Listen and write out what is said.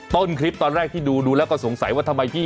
ต้นคลิปก่อนได้ดูแล้วก็สงสัยว่าทำไมที่